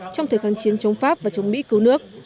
trong thời kháng chiến chống pháp và chống mỹ cứu nước